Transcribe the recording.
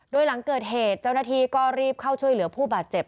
โดยหลังเกิดเหตุเจ้าหน้าที่ก็รีบเข้าช่วยเหลือผู้บาดเจ็บ